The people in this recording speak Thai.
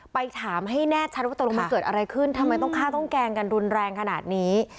ไปถามให้แน่ชัดว่าตกลงมันเกิดอะไรขึ้นทำไมต้องฆ่าต้องแกล้งกันรุนแรงขนาดนี้